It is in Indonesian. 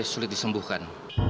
fre sulit disembuhkan